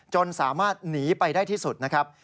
จนสามารถหนีไปได้ที่สุดนะครับ